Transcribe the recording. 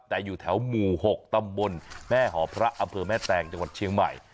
แต่อยู่แถวหมู่๖ตำบลแม่หอพระอำเภอแม่แตงจังหวัดเชียงใหม่